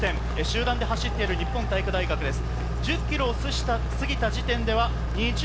集団で走っている日本体育大学です。